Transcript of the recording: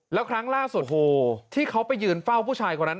แล้วครั้งล่าสุดโหที่เขาไปยืนเฝ้าผู้ชายคนนั้น